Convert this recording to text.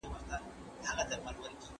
د پوهنتون ادارې شورا مهمي پریکړې کوي.